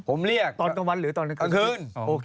ผมเรียกกลางคืน